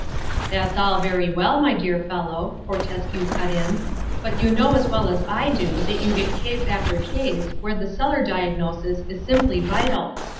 "That's all very well, my dear fellow," Fortescue cut in, "but you know as well as I do that you get case after case where the cellar diagnosis is simply vital.